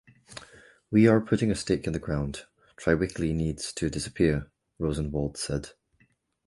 "We are putting a stake in the ground: Triweekly needs to disappear," Rosenwald said.